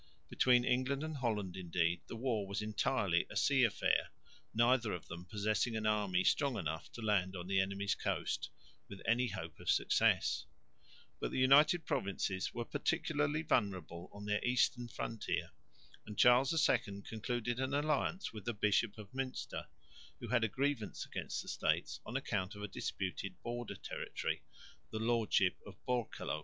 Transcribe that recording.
Between England and Holland indeed the war was entirely a sea affair, neither of them possessing an army strong enough to land on the enemy's coast with any hope of success; but the United Provinces were particularly vulnerable on their eastern frontier, and Charles II concluded an alliance with the Bishop of Münster, who had a grievance against the States on account of a disputed border territory, the lordship of Borkelo.